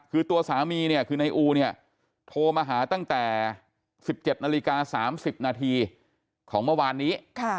คือตัวสามีคือนายอูโทรมาหาตั้งแต่๑๗น๓๐นของเมื่อวานนี้